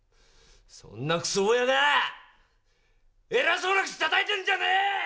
そんなくそ親が偉そうな口たたいてんじゃねえ！